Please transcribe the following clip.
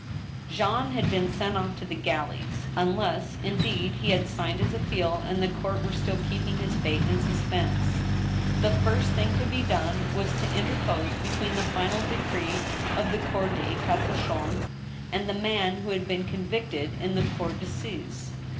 Jean had been sent off to the galleys — unless, indeed, he had signed his appeal, and the court were still keeping his fate in sus pense. The first thing to be done was to interpose between the final de cree of the cour de cassattoHt and the man who had been convict ed in the cotir d* assises.